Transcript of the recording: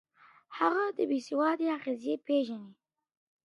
هغه د بې سوادۍ اغېزې پېژندلې.